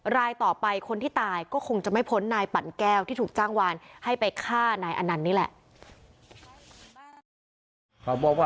รายต่อไปคนที่ตายก็คงจะไม่พ้นนายปั่นแก้วที่ถูกจ้างวานให้ไปฆ่านายอนันต์นี่แหละ